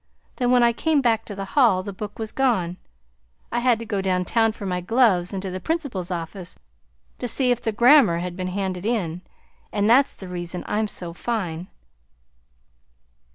Then when I came back to the hall, the book was gone. I had to go down town for my gloves and to the principal's office to see if the grammar had been handed in, and that's the reason I'm so fine."